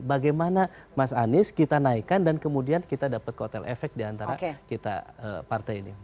bagaimana mas anies kita naikkan dan kemudian kita dapat kotel efek diantara kita partai ini